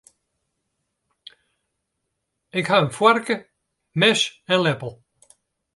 Ik ha gjin foarke, mes en leppel.